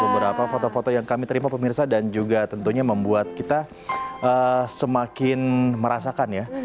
beberapa foto foto yang kami terima pemirsa dan juga tentunya membuat kita semakin merasakan ya